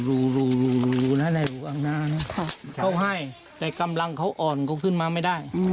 อืมอยากจักขึ้นไม่ได้